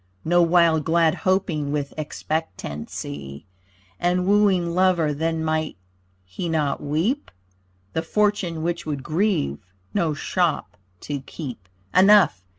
No wild glad hoping with expectancy! And wooing lover then might he not weep? The fortune which would grieve no shop to keep. Enough.